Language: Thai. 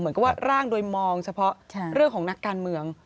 ว่าร่างโดยมองเฉพาะเรื่องของนักการเมือง